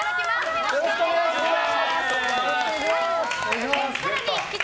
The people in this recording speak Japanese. よろしくお願いします。